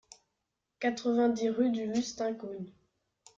quatre-vingt-dix rue du Lustincone